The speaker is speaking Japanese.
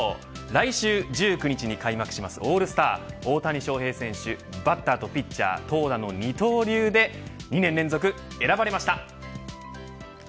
来週１９日に開幕するオールスター大谷翔平選手、バッターとピッチャーの投打の二刀流で２年連続、選ばれました。